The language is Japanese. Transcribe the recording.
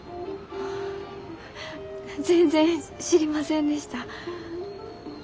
あ全然知りませんでした。